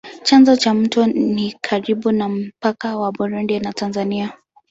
Chanzo cha mto ni karibu na mpaka wa Burundi na Tanzania.